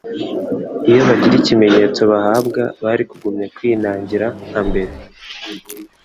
Iyo bagira ikimenyetso bahabwa bari kugumya kwinarigira nka mbere.